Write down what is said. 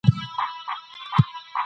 په کتابتون کي ډېر کتابونه سته.